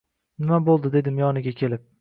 “Nima boʻldi?” – dedim yoniga kelib.